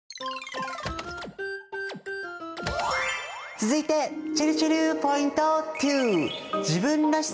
続いてちぇるちぇるポイント２！